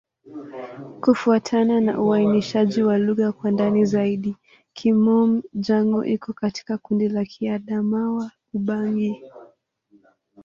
Kufuatana na uainishaji wa lugha kwa ndani zaidi, Kimom-Jango iko katika kundi la Kiadamawa-Ubangi.